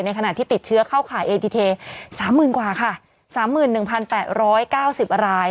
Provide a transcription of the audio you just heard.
ในขณะที่ติดเชื้อเข้าขายเอทีเทสามหมื่นกว่าค่ะสามหมื่นหนึ่งพันแปดร้อยเก้าสิบราย